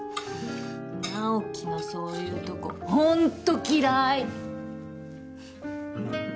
直木のそういうとこほんと嫌い！